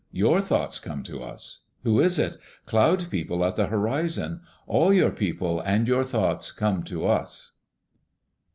Your thoughts come to us. Who is it? Cloud People at the horizon. All your people and your thoughts come to us.